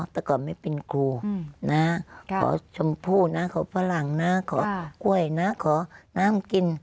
แต่ก่อนไม่เป็นครูนะขอชมพู่นะขอฝรั่งนะขอกล้วยนะขอน้ำกิน